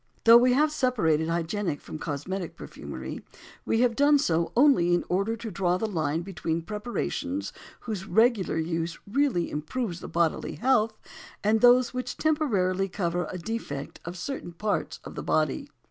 Though we have separated hygienic from cosmetic perfumery, we have done so only in order to draw the line between preparations whose regular use really improves the bodily health, and those which temporarily cover a defect of certain parts of the body.